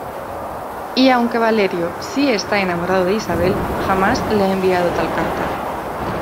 Y aunque Valerio si está enamorado de Isabel, jamás le ha enviado tal carta.